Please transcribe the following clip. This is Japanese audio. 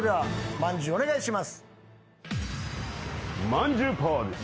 まんじゅうパワーです。